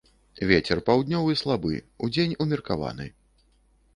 Вецер паўднёвы слабы, удзень умеркаваны.